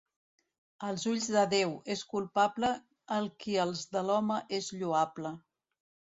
Als ulls de Déu és culpable el qui als de l'home és lloable.